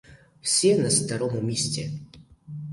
Все на старому місці?